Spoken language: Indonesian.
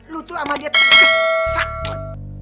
lu tuh sama dia saklek